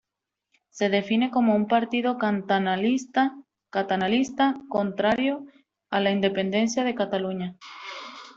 Se define como un partido catalanista contrario a la independencia de Cataluña.